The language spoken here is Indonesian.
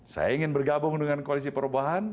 saya ingin bergabung dengan koalisi perubahan